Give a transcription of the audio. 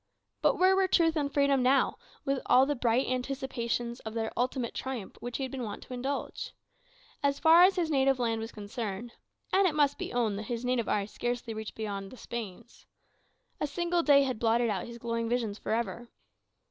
But where were truth and freedom now, with all the bright anticipations of their ultimate triumph which he had been wont to indulge? As far as his native land was concerned (and it must be owned that his mental eye scarcely reached beyond "the Spains"), a single day had blotted out his glowing visions for ever.